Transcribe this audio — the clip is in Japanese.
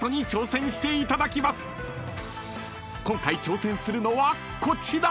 ［今回挑戦するのはこちら！］